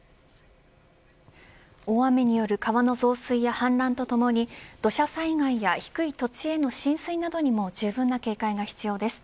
大雨による川の増水や、はん濫とともに土砂災害や低い土地への浸水などにもじゅうぶんな警戒が必要です。